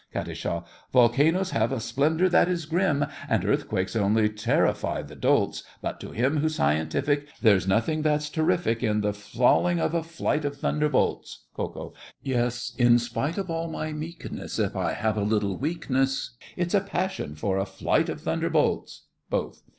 KAT. Volcanoes have a splendor that is grim, And earthquakes only terrify the dolts, But to him who's scientific There's nothing that's terrific In the falling of a flight of thunderbolts! KO. Yes, in spite of all my meekness, If I have a little weakness, It's a passion for a flight of thunderbolts! BOTH.